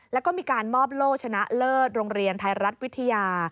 แล้วก็มีการมอบโล่ชนะเลิศโรงเรียนไทยรัฐวิทยา